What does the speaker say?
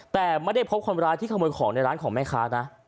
แต่ไม่ได้พบคนร้ายที่ขโมยของในร้านของแม่ค้านะ